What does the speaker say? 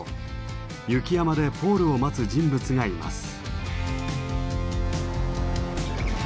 雪山でポールを待つ人物がいます。